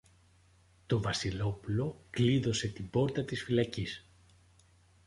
Το Βασιλόπουλο κλείδωσε την πόρτα της φυλακής